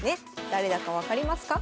誰だか分かりますか？